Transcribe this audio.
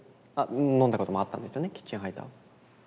飲んだこともあったんですよねキッチンハイター。